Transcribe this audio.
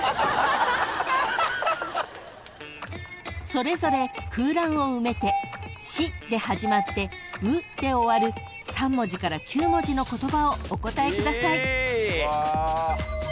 ［それぞれ空欄を埋めて「し」で始まって「う」で終わる３文字から９文字の言葉をお答えください］